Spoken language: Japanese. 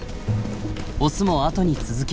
オスもあとに続きます。